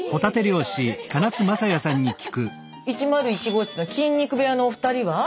１０１号室の筋肉部屋のお二人は？